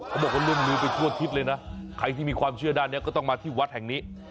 ความร่วมมือไปทั่วทิศเลยนะใครที่มีความเชื่อด้านนี้ก็ต้องมาที่วัดแห่งนี้